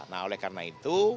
nah oleh karena itu